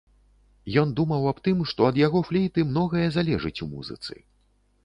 Ён думаў аб тым, што ад яго флейты многае залежыць у музыцы.